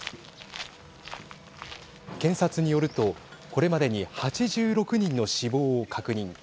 検察によるとこれまでに８６人の死亡を確認。